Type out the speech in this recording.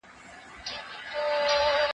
نينې په پټه نه چيچل کېږي.